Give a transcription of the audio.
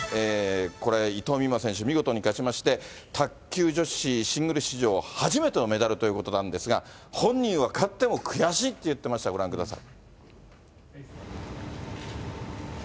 これ、伊藤美誠選手、見事に勝ちまして、卓球女子シングル史上初めてのメダルということなんですが、本人は勝っても悔しいって言ってました、ご覧ください。